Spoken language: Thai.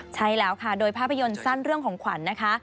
ใช่แล้วค่ะโดยภาพยนตร์สั้นเรื่องของขวัญนะคะ